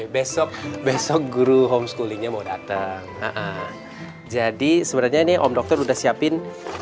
besok besok guru homeschoolingnya mau datang jadi sebenarnya ini om dokter udah siapin